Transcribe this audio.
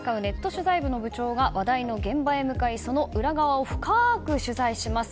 取材部の部長が話題の現場へ向かいその裏側を深く取材します。